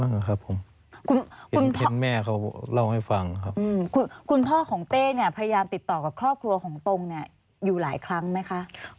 ครับผมคุณพ่อคุณแม่เขาเล่าให้ฟังครับคุณพ่อของเต้เนี่ยพยายามติดต่อกับครอบครัวของตรงเนี่ยอยู่หลายครั้งไหมคะ